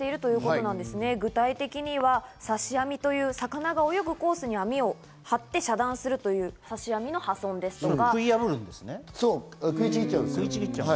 具体的には刺し網という魚が泳ぐコースに網を張って遮断するという刺し網の破損ですとか。